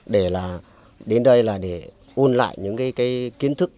để là đến đây là để ôn lại những cái kiến thức